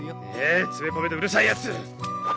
ええつべこべとうるさいやつ。